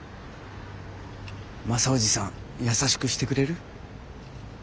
マサおじさん優しくしてくれる？